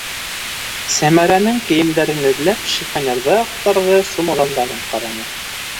Сәмәрәнең кейемдәрен эҙләп шифоньерҙы аҡтарҙы, сумаҙандарын ҡараны.